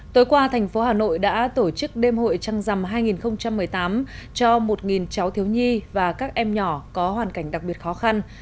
tối qua thành phố hà nội đã tổ chức đêm hội trăng rằm hai nghìn một mươi tám cho một cháu thiếu nhi và các em nhỏ có hoàn cảnh đặc biệt khó khăn